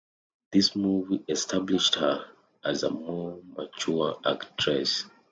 This movie established her as a more mature actress.